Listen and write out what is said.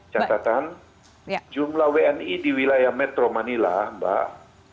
catatan jumlah wni di wilayah metro manila mbak